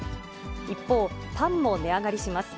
一方、パンも値上がりします。